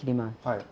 はい。